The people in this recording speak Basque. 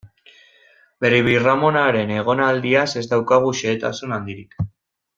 Bere birramonaren egonaldiaz ez daukagu xehetasun handirik.